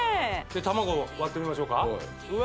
卵割ってみましょうかうわ